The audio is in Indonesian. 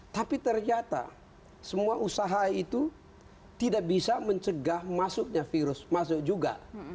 tapi ternyata semua usaha itu tidak bisa mencegah masuknya virus masuk juga